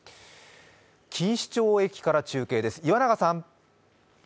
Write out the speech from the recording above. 錦糸町駅から中継です、岩永さん。